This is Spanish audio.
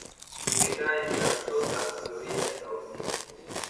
Se ubica en Sarasota, Florida, Estados Unidos.